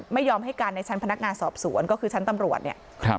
ไม่ยอมให้การในชั้นพนักงานสอบสวนก็คือชั้นตำรวจเนี่ย